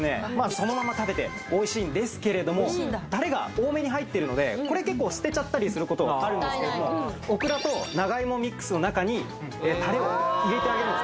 そのまま食べてもおいしいんですけれどもタレが多めに入ってるのでこれ結構捨てちゃったりすることがあるんですけれどもオクラと長芋ミックスの中にタレを入れてあげるんですね